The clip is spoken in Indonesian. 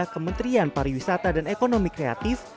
kementerian pariwisata dan ekonomi kreatif